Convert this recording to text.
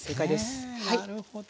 なるほど。